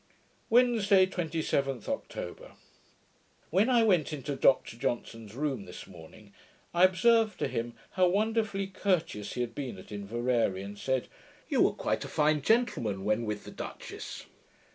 Wednesday, 27th October When I went into Dr Johnson's room this morning, I observed to him how wonderfully courteous he had been at Inveraray, and said, 'You were quite a fine gentleman, when with the duchess.'